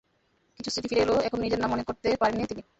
কিছু স্মৃতি ফিরে এলেও এখনো নিজের নাম মনে করতে পারেননি তিনি।